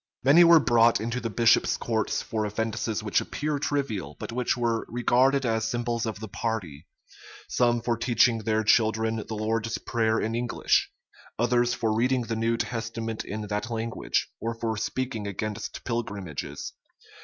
Many were brought into the bishops' courts for offences which appear trivial, but which were regarded as symbols of the party: some for teaching their children the Lord's prayer in English; others for reading the New Testament in that language, or for speaking against pilgrimages.